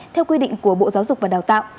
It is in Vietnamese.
theo quy định của bộ giáo dục và đào tạo